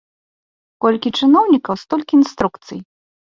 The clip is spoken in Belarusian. Колькі чыноўнікаў, столькі інструкцый.